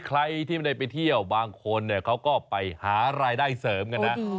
ใครที่ไม่ได้ไปเที่ยวบางคนเนี่ยเขาก็ไปหารายได้เสริมกันนะ